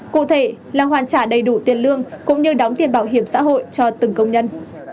cụ thể là hoàn trả đầy đủ tiền lương cũng như đóng tiền bảo hiểm xã hội cho từng công nhân